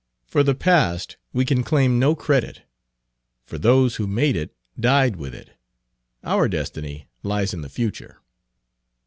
For the past we can claim no credit, for those who made it died with it. Our destiny lies in the future."